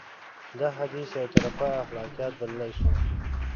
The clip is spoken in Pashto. دا حديث يو طرفه اخلاقيات بللی شو.